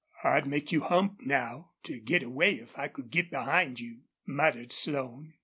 "I'd make you hump now to get away if I could get behind you," muttered Slone.